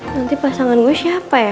nanti pasangan gue siapa ya